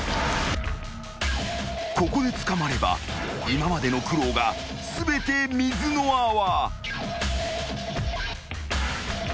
［ここで捕まれば今までの苦労が全て水の泡］